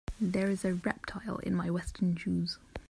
There is a reptile in my western shoes.